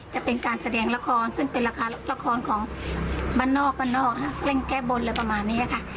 จะเป็นการแสดงละครซึ่งเป็นละครของบ้านนอกบ้านนอกเร่งแก้บนอะไรประมาณนี้ค่ะ